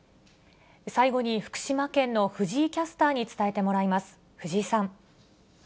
最後に、福島県の藤井キャスターに伝えてもらいます。